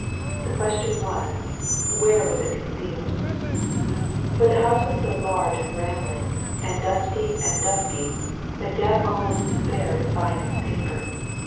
The question was/ where was it concealed ? For the house was so large and rambling, and dusty and dusky, that Gebb almost despaired of finding the paper.